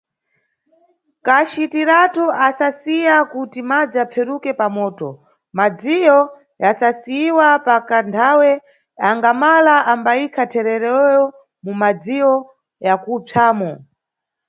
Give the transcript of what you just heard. Kacitiratu asasiya kuti madzi aperuke pamoto, madziwo asasiyiwa pakathawe angala ambayikha thererowo mumadzi akupsamo.